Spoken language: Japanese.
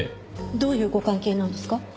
どういうご関係なんですか？